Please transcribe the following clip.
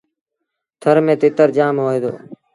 ٿر ميݩ تتر جآم هوئي دو۔